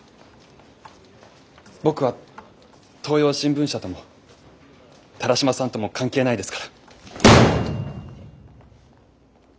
僕は東洋新聞社とも田良島さんとも関係ないですから。